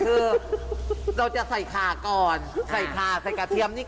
พี่บอกว่าบ้านทุกคนในที่นี่